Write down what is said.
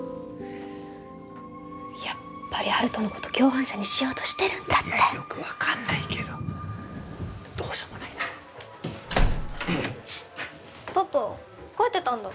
やっぱり温人のこと共犯者にしようとしてるんだっていやよく分かんないけどどうしようもないだろパパ帰ってたんだ